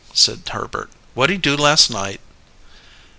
said Herbert. "What'd he do last night?"